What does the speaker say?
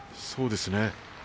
そうですね。